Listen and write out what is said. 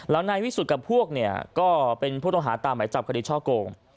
แล้วนายวิสุทธิ์กับพวกเนี่ยก็เป็นผู้ต้องหาตามหมายจับคดีช่อโกง